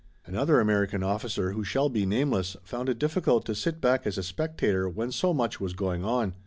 Another American officer who shall be nameless found it difficult to sit back as a spectator when so much was going on.